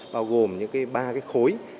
bao gồm những ba khối